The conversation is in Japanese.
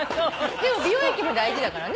でも美容液も大事だからね。